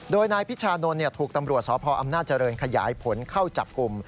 โดยนายพิชานนท์ถูกตำรวจสพอำนาจเจริญขยายผลเข้าจับกลุ่ม